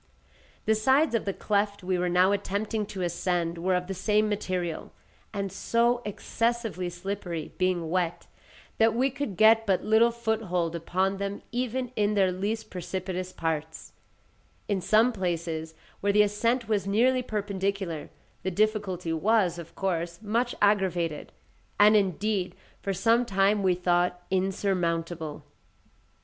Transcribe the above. The sides of the cleft we were now attempting to ascend were of the same material, and so excessively slippery, being wet, that we could get but little foothold upon them even in their least precipitous parts; in some places, where the ascent was nearly perpendicular, the difficulty was, of course, much aggravated; and, indeed, for some time we thought insurmountable.